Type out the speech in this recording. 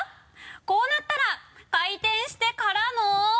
「こうなったら、回転してからのー」